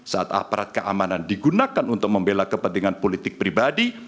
saat aparat keamanan digunakan untuk membela kepentingan politik pribadi